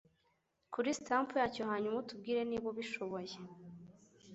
kuri stump yacyo hanyuma utubwire niba ubishoboye